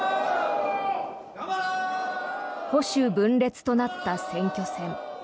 保守分裂となった選挙戦。